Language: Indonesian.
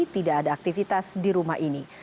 tidak ada aktivitas di rumah ini